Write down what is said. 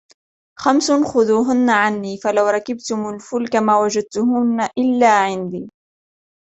خَمْسٌ خُذُوهُنَّ عَنِّي فَلَوْ رَكِبْتُمْ الْفُلْكَ مَا وَجَدْتُمُوهُنَّ إلَّا عِنْدِي